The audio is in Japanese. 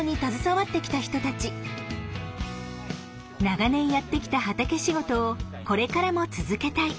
長年やってきた畑仕事をこれからも続けたい。